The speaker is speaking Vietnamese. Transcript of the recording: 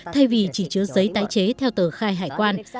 thay vì chỉ chứa giấy tái chế theo tờ khai hải quan